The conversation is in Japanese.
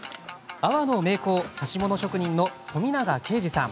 阿波の名工指物職人の富永啓司さん。